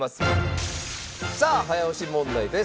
さあ早押し問題です。